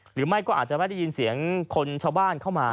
หรือไม่ก็อาจจะไม่ได้ยินเสียงคนชาวบ้านเข้ามา